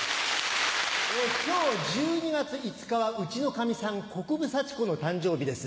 今日１２月５日はうちのかみさん国分佐智子の誕生日です。